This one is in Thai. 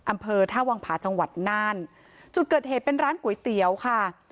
อำเภอท่าวังผาจังหวัดน่านจุดเกิดเหตุเป็นร้านก๋วยเตี๋ยวค่ะ